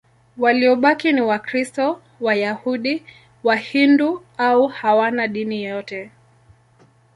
Waliobaki ni Wakristo, Wayahudi, Wahindu au hawana dini yote.